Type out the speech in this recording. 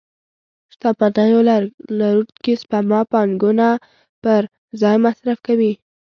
شتمنيو لرونکي سپما پانګونه پر ځای مصرف کوي.